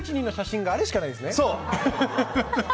９１２の写真があれしかないんですね。